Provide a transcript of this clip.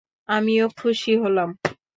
আমিও খুশি হলাম।